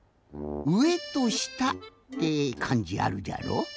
「上」と「下」ってかんじあるじゃろ。